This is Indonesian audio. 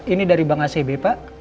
ini dari bank acb pak